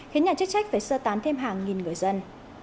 khiến nhà chức trách phải sơ tán thêm hàng nghìn người dân